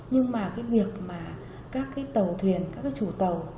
nhưng mà cái việc mà các tàu thuyền các chủ tàu